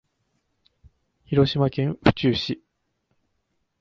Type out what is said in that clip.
広島県府中市